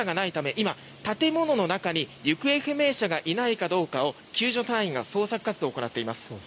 今、建物の中に行方不明者がいないかどうかを救助隊員が捜索活動を行っています。